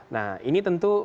nah ini tentu